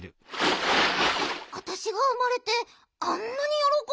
あたしがうまれてあんなによろこんでたんだ。